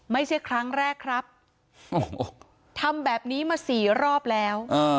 ไม่ใช่ครั้งแรกครับทำแบบนี้มาสี่รอบแล้ว